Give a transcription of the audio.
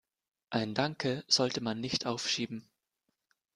Ein Danke sollte man nicht aufschieben.